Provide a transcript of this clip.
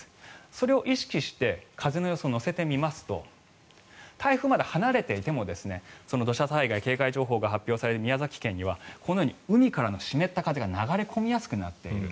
それを意識して風の予想を載せてみますと台風、まだ離れていても土砂災害警戒情報が発表される宮崎県には海からの湿った風が流れ込みやすくなっている。